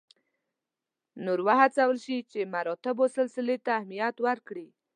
نور وهڅول شي چې مراتبو سلسلې ته اهمیت ورکړي.